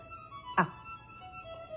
あっ。